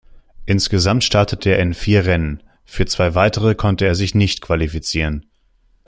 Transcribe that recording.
Insgesamt startete er in vier Rennen, für zwei weitere konnte er sich nicht qualifizieren.